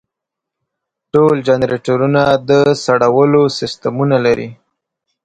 ټول جنریټرونه د سړولو سیستمونه لري.